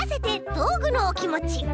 どうぐのおきもち」。